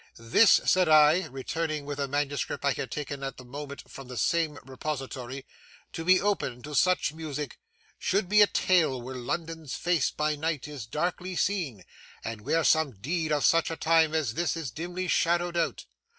'This,' said I, returning with a manuscript I had taken at the moment, from the same repository, 'to be opened to such music, should be a tale where London's face by night is darkly seen, and where some deed of such a time as this is dimly shadowed out.